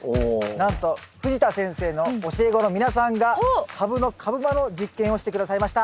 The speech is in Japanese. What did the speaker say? なんと藤田先生の教え子の皆さんがカブの株間の実験をして下さいました。